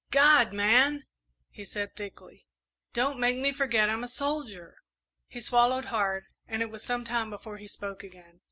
"God, man," he said, thickly, "don't make me forget I'm a soldier!" He swallowed hard, and it was some time before he spoke again.